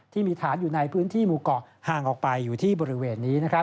ที่มีฐานอยู่ในพื้นที่หมู่เกาะห่างออกไปอยู่ที่บริเวณนี้